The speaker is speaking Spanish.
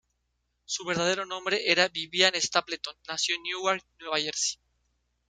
Su verdadero nombre era Vivian Stapleton, nació en Newark, Nueva Jersey.